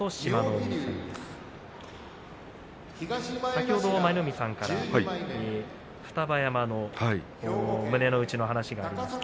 海先ほど舞の海さんから双葉山の胸の内が話がありました。